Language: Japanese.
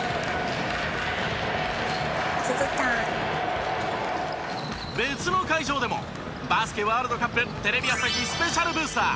「すずちゃん」別の会場でもバスケワールドカップテレビ朝日スペシャルブースター